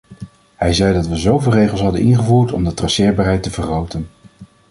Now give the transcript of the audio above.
Hij zei dat we zoveel regels hadden ingevoerd om de traceerbaarheid te vergroten.